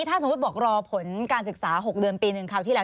ถ้าสมมุติบอกรอผลการศึกษา๖เดือนปีหนึ่งคราวที่แล้ว